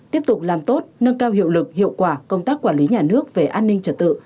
tiếp tục làm tốt nâng cao hiệu lực hiệu quả công tác quản lý nhà nước về an ninh trật tự